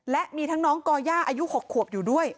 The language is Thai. และมีทั้งน้องก่อย่าอายุ๖ขวบอยู่ด้วย